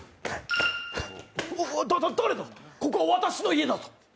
ここは私の家だぞ。